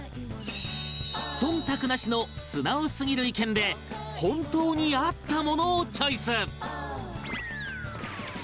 忖度なしの素直すぎる意見で本当に合ったものをチョイス